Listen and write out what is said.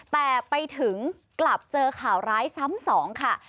แต่ไปถึงกลับเจอข่าวร้ายซ้ำสองค่ะ